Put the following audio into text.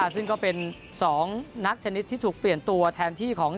ซึ่งก็เป็น๒นักเทนนิสที่ถูกเปลี่ยนตัวแทนที่ของ